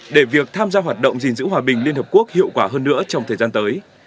để việc tham gia hoạt động gìn giữ hòa bình liên hợp quốc hiệu quả hơn nữa trong thời gian tới